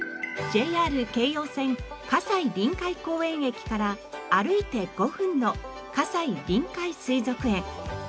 ＪＲ京葉線西臨海公園駅から歩いて５分の西臨海水族園。